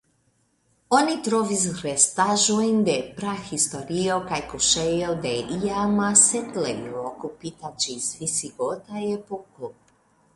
Oni trovis restaĵojn de prahistorio kaj kuŝejo de iama setlejo okupita ĝis visigota epoko.